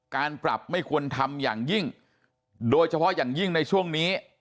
การปรับไม่ควรทำอย่างยิ่งโดยเฉพาะอย่างยิ่งในช่วงนี้